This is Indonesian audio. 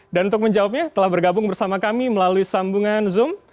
dan untuk menjawabnya telah bergabung bersama kami melalui sambungan zoom